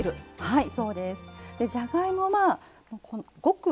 はい。